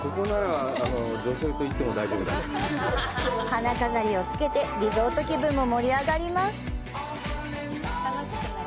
花飾りをつけてリゾート気分も盛り上がります。